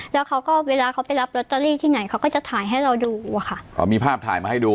แล้วเขาก็เวลาเขาไปรับลอตเตอรี่ที่ไหนเขาก็จะถ่ายให้เราดูอะค่ะอ๋อมีภาพถ่ายมาให้ดู